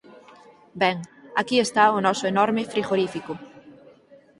Ben, aquí está o noso enorme frigorífico.